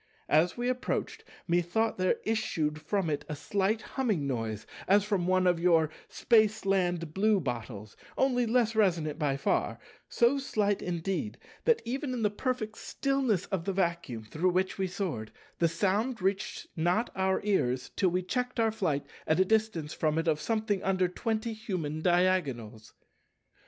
As we approached, methought there issued from it a slight humming noise as from one of your Spaceland bluebottles, only less resonant by far, so slight indeed that even in the perfect stillness of the Vacuum through which we soared, the sound reached not our ears till we checked our flight at a distance from it of something under twenty human diagonals.